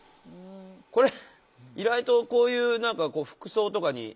これ意外とこういう何か服装とかに。